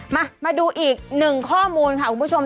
มาดูอีกหนึ่งข้อมูลค่ะคุณผู้ชม